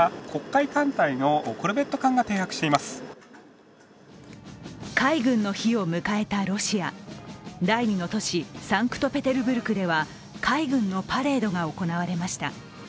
海軍の日を迎えたロシア、第２の都市サンクトペテルブルクでは海軍のパレードが行われました。